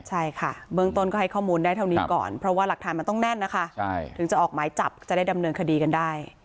ใช่ค่ะเบื้องต้นก็ให้ข้อมูลได้เท่านี้ก่อนเพราะว่าหลักฐานมันต้องแน่นนะคะถึงจะออกหมายจับจะได้ดำเนินคดีกันได้